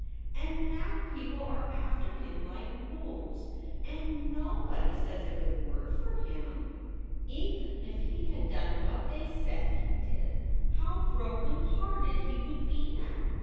And now people are after him like wolves, and nobody says a good word for him. "Even if he had done what they said he did, how broken hearted he would be now!